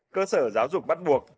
cơ sở giáo dục bắt buộc